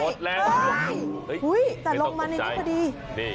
แต่ลงมานิดนึงพอดี